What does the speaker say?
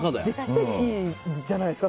奇跡じゃないですか？